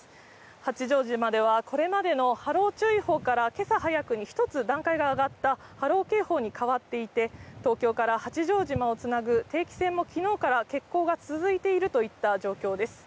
八丈島では、これまでの波浪注意報から今朝早くに１つ段階が上がった波浪警報に変わっていて、東京から八丈島をつなぐ定期船もきのうから欠航が続いているといった状況です。